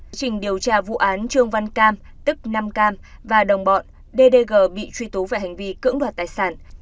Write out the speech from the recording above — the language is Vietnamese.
quá trình điều tra vụ án trương văn cam tức nam cam và đồng bọn ddg bị truy tố về hành vi cưỡng đoạt tài sản